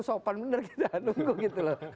sopan benar kita nunggu